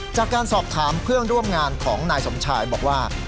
จากการสอบถามเพื่อนร่วมงานของนายสมชายบอกว่า